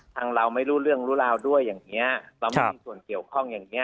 เราไม่รู้เรื่องรู้ราวด้วยอย่างนี้เราไม่มีส่วนเกี่ยวข้องอย่างเงี้